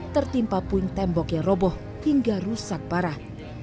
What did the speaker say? tertimpa puing tembok yang roboh hingga rusak parah